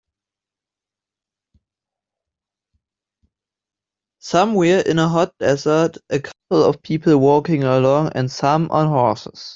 Somewhere in a hot dessert a couple of people walking along and some on horses.